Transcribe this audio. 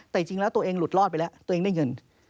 แต่จริงแล้วตัวเองหลุดรอดไปแล้วตัวเองได้เงิน